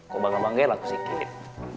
kau bangga banggailah aku sikit